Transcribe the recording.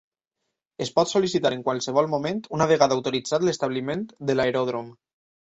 Es pot sol·licitar en qualsevol moment una vegada autoritzat l'establiment de l'aeròdrom.